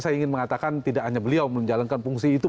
saya ingin mengatakan tidak hanya beliau menjalankan fungsi itu